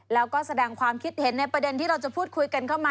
แล้วก็แสดงความคิดเห็นในประเด็นที่เราจะพูดคุยกันเข้ามา